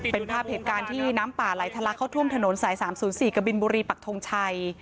เป็นภาพเหตุการณ์ที่น้ำป่าไหลทะลักเข้าท่วมถนนสาย๓๐๔กบินบุรีปักทงชัย